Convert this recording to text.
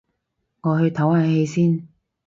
我去唞下氣先